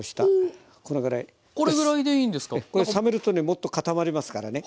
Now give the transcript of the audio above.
これ冷めるとねもっと固まりますからね。